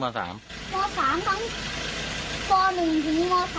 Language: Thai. ม๓ครับป๑ถึงม๓กินเลยครับ